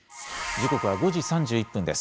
時刻は５時３１分です。